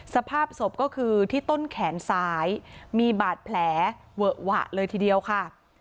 สภาพศพก็คือที่ต้นแขนซ้ายมีบาดแผลเวอะหวะเลยทีเดียวค่ะ